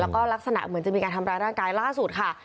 แล้วก็ลักษณะเหมือนจะมีการทำร้ายร่างกายล่าสุดค่ะ